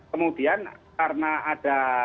kemudian karena ada